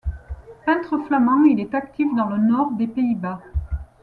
Peintre flamand, il est actif dans le nord des Pays-Bas.